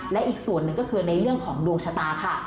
และอีกส่วนเป็นในเรื่องของดวงชะตา